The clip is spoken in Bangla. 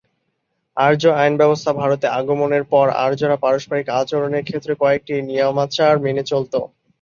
আর্য আইনব্যবস্থা ভারতে আগমনের পর আর্যরা পারস্পরিক আচরণের ক্ষেত্রে কয়েকটি নিয়মাচার মেনে চলত।